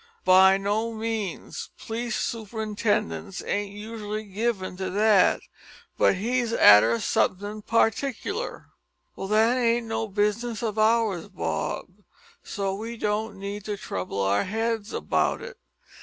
By no means. P'lice superintendents ain't usually given to that; but he's arter somethin' partickler." "Well, that ain't no bizzness of ours, Bob, so we don't need to trouble our heads about it.